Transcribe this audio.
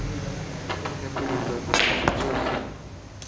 inshuti nyakuri zizabafasha byose